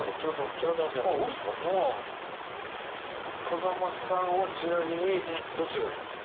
風間さんはちなみにどちらですか？